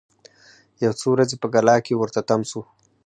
یو څو ورځي په کلا کي ورته تم سو